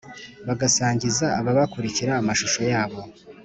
bagasangiza ababakurikira amashusho yabo